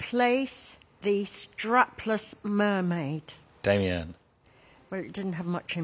ダミアン。